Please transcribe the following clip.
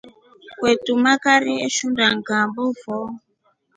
Kwete magari eshunda ngʼambo foo.